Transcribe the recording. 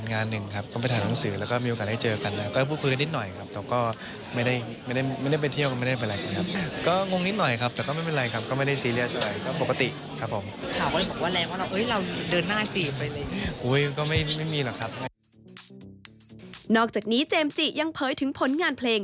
นอกจากนี้เจมส์จิยังเผยถึงผลงานเพลง